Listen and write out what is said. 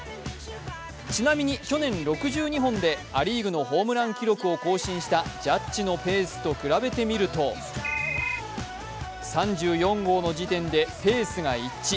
ちなみに去年６２本でア・リーグのホームラン記録を更新したジャッジのペースと比べてみると３４号の時点でペースが一致。